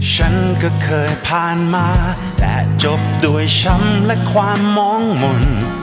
ฉันก็เคยผ่านมาและจบด้วยช้ำและความมองมนต์